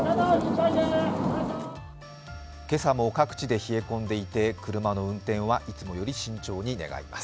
今朝も各地で冷え込んでいて車の運転はいつもより慎重に願います。